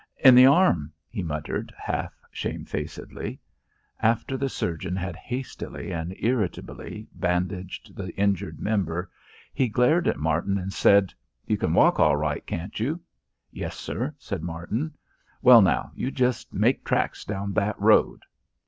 "In the arm," he muttered, half shamefacedly. After the surgeon had hastily and irritably bandaged the injured member he glared at Martin and said, "You can walk all right, can't you?" "Yes, sir," said Martin. "Well, now, you just make tracks down that road."